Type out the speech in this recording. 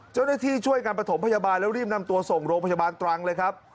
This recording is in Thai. ช่วยกันประถมพยาบาลแล้วรีบนำตัวส่งโรงพยาบาลตรังเลยครับ